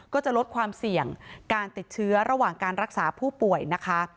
ก็จะลดความเสี่ยงการติดเชื้อระหว่างการรักษาผู้ป่วยนะคะ